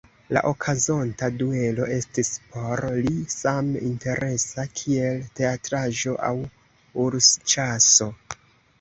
La okazonta duelo estis por li same interesa, kiel teatraĵo aŭ ursĉaso.